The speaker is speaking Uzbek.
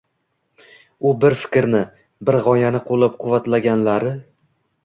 U bir fikrni, bir g‘oyani qo‘llab-quvvatlaganlari